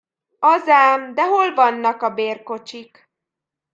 Az ám, de hol vannak a bérkocsik?